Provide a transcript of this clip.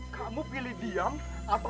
kamu masih juga ngomong hah